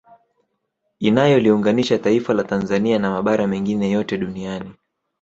Inayoliunganisha taifa la Tanzania na mabara mengine yote duniani